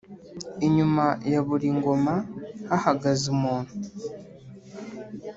inyuma ya buri ngoma hahagaze umuntu